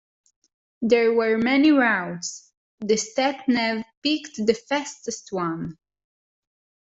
There were many routes, the sat-nav picked the fastest one.